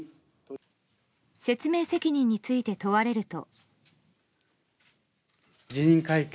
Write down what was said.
説明責任について問われると。